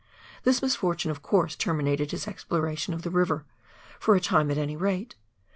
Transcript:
This misfortune of course terminated his exploration of the river, for a time at any rate.